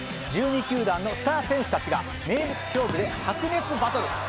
１２球団のスター選手達が名物競技で白熱バトル！